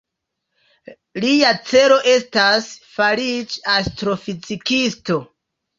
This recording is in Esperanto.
Lia celo estas fariĝi astrofizikisto.